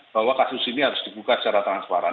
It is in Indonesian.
bahwa kasus ini harus dibuka secara transparan